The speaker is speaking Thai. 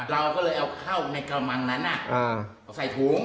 เราก็เลยเอาเข้าในกระมังนั้นเอาใส่ถุง